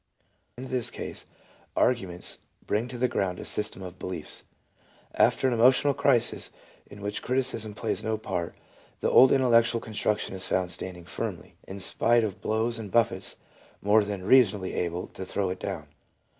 .. In this case, arguments bring to the ground a system of beliefs. After an emotional crisis, in which criticism plays no part, the old in tellectual construction is found standing firmly, in spite of blows and buffets more than reasonably able to throw it down.